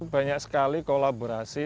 banyak sekali kolaborasi